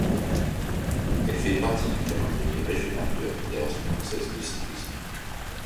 Elle fait partie du calendrier régional de la Fédération française de cyclisme.